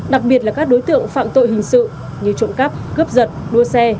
đặc biệt là các đối tượng phạm tội hình sự như trộm cắp cướp giật đua xe